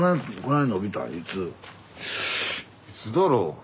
いつだろう？